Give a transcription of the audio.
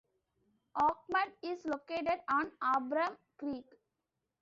Oakmont is located on Abram Creek.